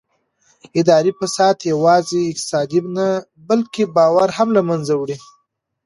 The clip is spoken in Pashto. اداري فساد یوازې اقتصاد نه بلکې باور هم له منځه وړي